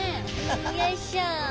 よいしょ。